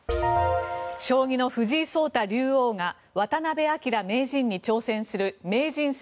将棋の藤井聡太竜王が渡辺明名人に挑戦する名人戦